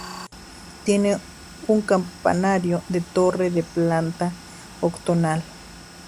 Tiene un campanario de torre de planta octogonal.